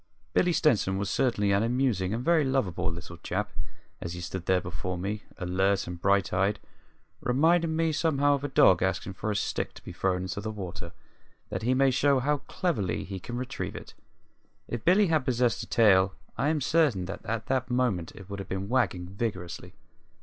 Billy Stenson was certainly an amusing and very lovable little chap as he stood there before me, alert and bright eyed, reminding me somehow of a dog asking for a stick to be thrown into the water, that he may show how cleverly he can retrieve it. If Billy had possessed a tail I am certain that at that moment it would have been wagging vigorously.